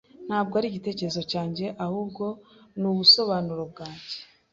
Ntabwo ari igitekerezo cyanjye, ahubwo ni ubusobanuro bwanjye.